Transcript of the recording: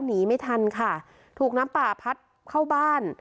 หนีไม่ทันค่ะถูกน้ำป่าพัดเข้าบ้าน